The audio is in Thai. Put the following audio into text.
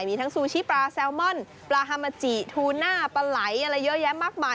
มีทูน่าปะไหลอะไรเยอะแยะมากมาย